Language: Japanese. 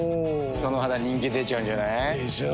その肌人気出ちゃうんじゃない？でしょう。